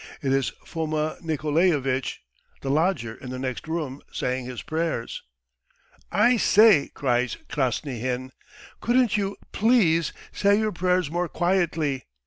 ... It is Foma Nikolaevitch, the lodger in the next room, saying his prayers. "I say!" cries Krasnyhin. "Couldn't you, please, say your prayers more quietly?